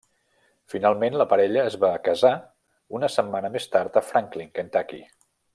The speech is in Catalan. Finalment la parella es va casar una setmana més tard a Franklin, Kentucky.